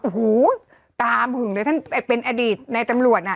อโฮโถ่ฮือหึงเลยท่านเป็นอดีตในตำรวจนะ